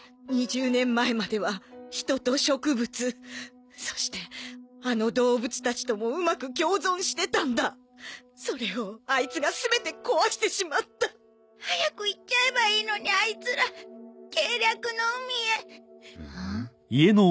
２０年前までは人と植物そしてあの動物たちともうまく共存してたんだそれをアイツが全て壊してしまった早く行っちゃえばいいのにアイツら計略の海へん？